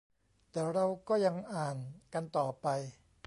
แต่เราก็ยังอ่านกันต่อไป